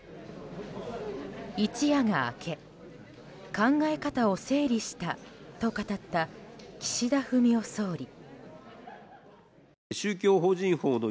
一夜が明け考え方を整理したと語った岸田文雄総理。